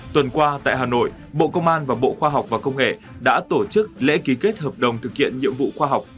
tuần qua tại hà nội bộ công an và bộ khoa học và công nghệ đã tổ chức lễ ký kết hợp đồng thực hiện nhiệm vụ khoa học